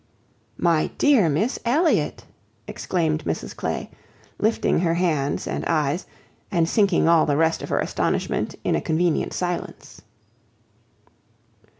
"My dear Miss Elliot!" exclaimed Mrs Clay, lifting her hands and eyes, and sinking all the rest of her astonishment in a convenient silence.